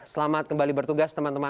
selamat kembali bertugas teman teman